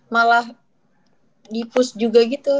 malah dipush juga gitu